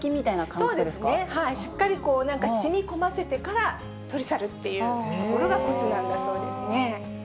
そうですね、しっかりしみこませてから取り去るっていうところが、こつなんだそうですね。